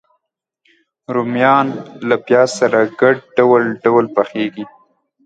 رومیان له پیاز سره ګډ ډول ډول پخېږي